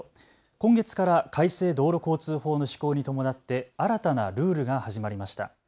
今月から改正道路交通法の施行に伴って新たなルールが始まりました。